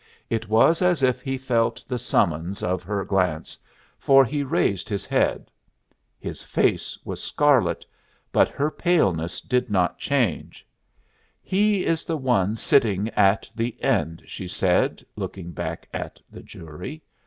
It was as if he felt the summons of her glance, for he raised his head. His face was scarlet, but her paleness did not change. "He is the one sitting at the end," she said, looking back at the jury.